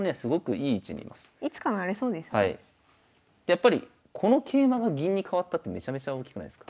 でやっぱりこの桂馬が銀に換わったってめちゃめちゃ大きくないすか？